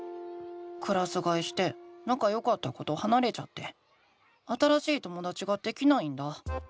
クラスがえしてなかよかった子とはなれちゃって新しいともだちができないんだ。